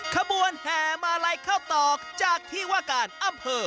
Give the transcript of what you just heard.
ขบวนแห่มาลัยเข้าตอกจากที่ว่าการอำเภอ